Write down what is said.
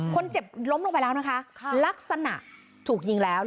คนเจ็บล้มลงไปแล้วนะคะลักษณะถูกยิงแล้ว